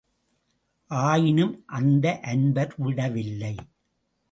ஆயினும் அந்த அன்பர் விடவில்லை.